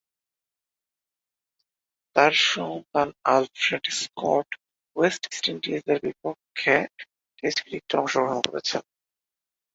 তার সন্তান Alfred Scott West ইন্ডিজের পক্ষে টেস্ট ক্রিকেটে অংশগ্রহণ করেছেন।